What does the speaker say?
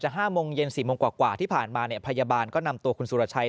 ๕โมงเย็น๔โมงกว่าที่ผ่านมาเนี่ยพยาบาลก็นำตัวคุณสุรชัย